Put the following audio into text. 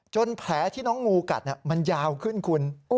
แผลที่น้องงูกัดมันยาวขึ้นคุณ